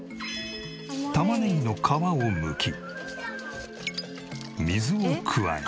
玉ねぎの皮をむき水を加え。